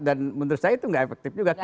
dan menurut saya itu tidak efektif juga